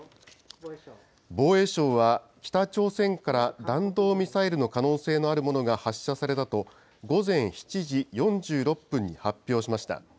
防衛省は、北朝鮮から弾道ミサイルの可能性のあるものが発射されたと、午前７時４６分に発表しました。